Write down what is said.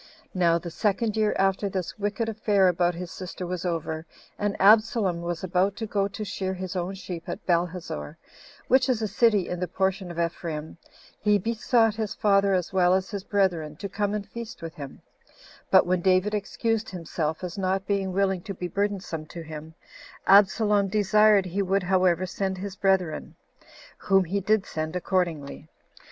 Now the second year after this wicked affair about his sister was over, and Absalom was about to go to shear his own sheep at Baalhazor, which is a city in the portion of Ephraim, he besought his father, as well as his brethren, to come and feast with him: but when David excused himself, as not being willing to be burdensome to him, Absalom desired he would however send his brethren; whom he did send accordingly.